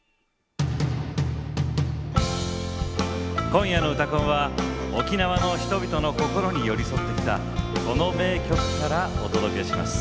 今夜の「うたコン」は沖縄の人々の心に寄り添ってきたこの名曲からお届けします。